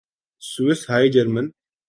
Swiss high German